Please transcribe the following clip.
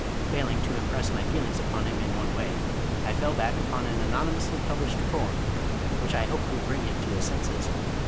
Failing to impress my feelings upon him in one way, I fell back upon an anonymously published poem, which I hoped would bring him to his senses.